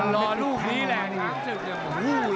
รอลูกนี้แหละทั้งสิบอย่างหมดเลย